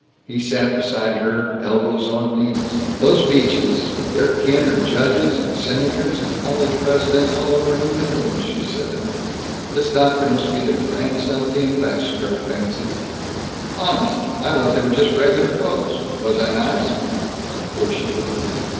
He sat beside her, elbows on knees. "Those Beaches their kin are judges and senators and college Presidents, all over New England," she said. "This doctor must be the grandson of the ambassador, I fancy." "Honest? I thought they were just regular folks. Was I nice?" "Of course you were."